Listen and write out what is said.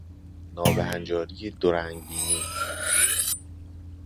نابهنجاری دورنگ بینی